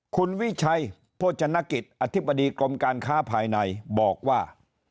คุณวิชัยโภชนกิจอธิบดีกรมการค้าภายในบอกว่า